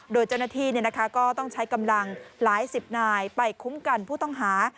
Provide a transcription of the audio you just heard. โดยเจ้าหน้าที่ก็ต้องใช้กำลังหลายสิบนายไปคุ้มกันผู้ต้องหา